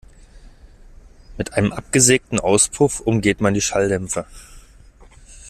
Mit einem absägten Auspuff umgeht man die Schalldämpfer.